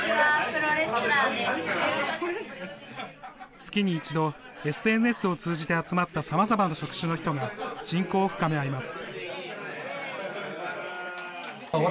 月に一度ＳＮＳを通じて集まったさまざまな職種の人が親交を深め合います。